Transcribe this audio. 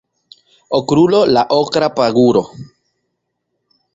Okrulo la okra paguro